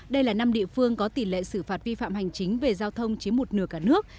đây là năm địa phương có tỷ lệ xử phạt vi phạm hành chính về giao thông chiếm một nửa cả nước